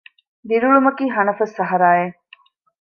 ދިރިއުޅުމަކީ ހަނަފަސް ސަހަރާއެއް